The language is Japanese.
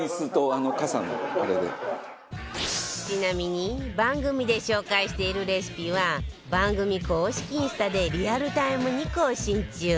ちなみに番組で紹介しているレシピは番組公式インスタでリアルタイムに更新中